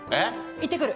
行ってくる！